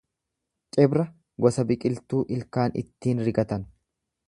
Cibra gosa biqiltuu ilkaan ittiin rigatan.